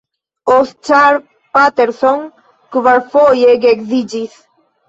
Oscar Peterson kvarfoje geedziĝis.